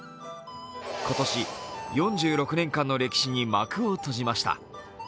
今年、４６年間の歴史に幕を閉じました。